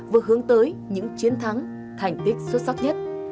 vừa hướng tới những chiến thắng thành tích xuất sắc nhất